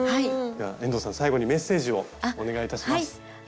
遠藤さん最後にメッセージをお願いいたします。